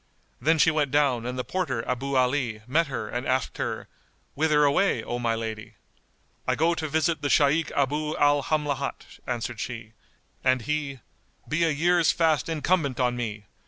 Then she went down and the porter Abu Ali met her and asked her, "Whither away, O my lady?" "I go to visit the Shaykh Abu al Hamlat;" answered she; and he, "Be a year's fast incumbent on me!